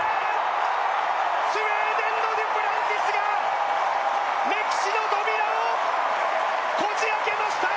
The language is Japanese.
スウェーデンのデュプランティスが歴史の扉をこじあけました！